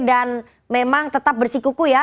dan memang tetap bersikuku ya